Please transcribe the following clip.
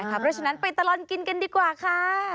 เพราะฉะนั้นไปตลอดกินกันดีกว่าค่ะ